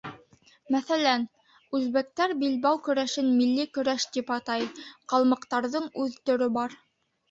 Мәҫәлән, үзбәктәр билбау көрәшен милли көрәш тип атай, ҡалмыҡтарҙың үҙ төрө бар.